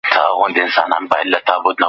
معنوي ارزښتونه تر هر څه مهم دي.